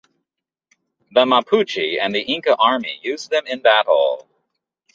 The Mapuche and the Inca army used them in battle.